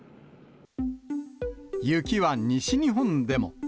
雪は西日本でも。